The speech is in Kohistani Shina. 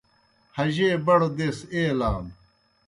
حجے بڑوْ دیس ایلانوْ۔